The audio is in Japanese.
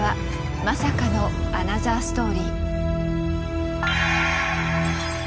まさかのアナザーストーリー。